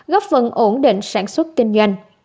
góp phần ổn định sản xuất kinh doanh